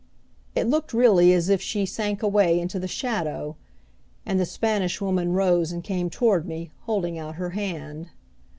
It looked really as if she sank away into the shadow; and the Spanish Woman rose and came toward me, holding out her hand.